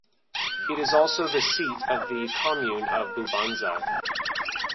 It is also the seat of the Commune of Bubanza.